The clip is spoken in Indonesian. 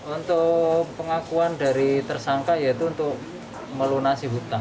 untuk pengakuan dari tersangka yaitu untuk melunasi hutang